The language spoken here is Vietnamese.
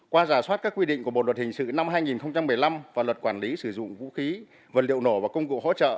qua giả soát các quy định của bộ luật hình sự năm hai nghìn một mươi năm và luật quản lý sử dụng vũ khí vật liệu nổ và công cụ hỗ trợ